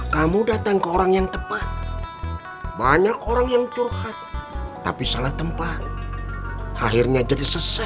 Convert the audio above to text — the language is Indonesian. kamu datang ke orang yang tepat banyak orang yang curhat tapi salah tempat akhirnya jadi sesak